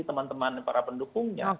teman teman para pendukungnya